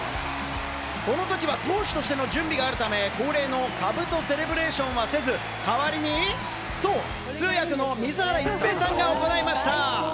このときは投手としての準備があるため、恒例の兜セレブレーションはせず、代わりに通訳の水原一平さんが行いました。